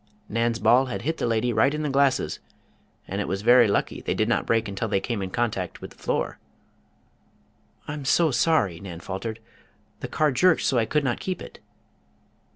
Nan's ball had hit the lady right in the glasses, and it was very lucky they did not break until they came in contact with the floor. "I'm so sorry!" Nan faltered. "The car jerked so I could not keep it."